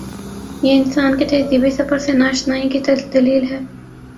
یہ انسان کے تہذیبی سفر سے نا آ شنائی کی دلیل ہے۔